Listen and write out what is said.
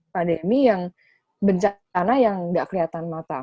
pandemi yang bencana yang tidak kelihatan mata